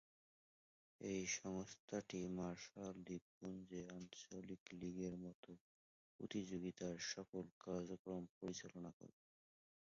এই সংস্থাটি মার্শাল দ্বীপপুঞ্জের আঞ্চলিক লীগের মতো প্রতিযোগিতার সকল কার্যক্রম পরিচালনা করে।